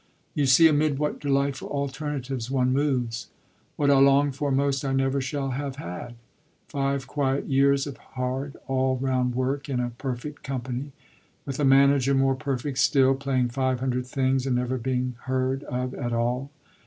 You see amid what delightful alternatives one moves. What I long for most I never shall have had five quiet years of hard all round work in a perfect company, with a manager more perfect still, playing five hundred things and never being heard of at all.